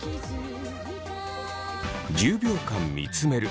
１０秒間見つめる。